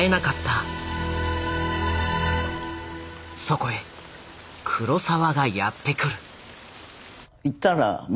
そこへ黒澤がやって来る。